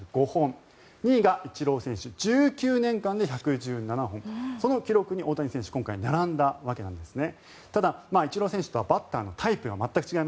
２位はイチロー選手１９年間で１１７本その記録に大谷選手は今回、並んだわけなんですね。